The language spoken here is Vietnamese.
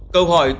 câu hỏi tựa